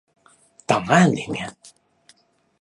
檔案裡面